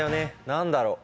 何だろう？